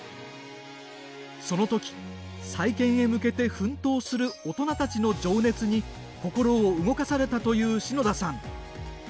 そのとき、再建へ向けて奮闘する大人たちの情熱に心を動かされたという篠田さん。